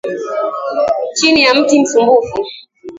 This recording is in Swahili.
Chini ya mti msumbufu.